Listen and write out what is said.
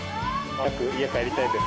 早く家、帰りたいです。